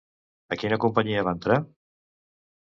A quina companyia va entrar?